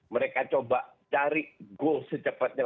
mereka coba cari go secepatnya